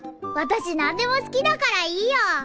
私なんでも好きだからいいよ。